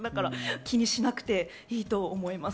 気にしなくていいと思います。